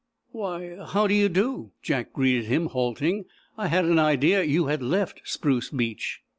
"Why, how do you do?" Jack greeted him, halting. "I had an idea you had left Spruce Beach."